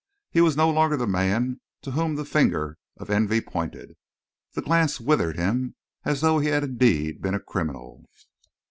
He was no longer the man to whom the finger of envy pointed. The glance withered him as though he had indeed been a criminal.